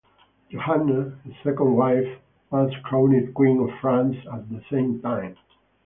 Joanna, his second wife, was crowned queen of France at the same time.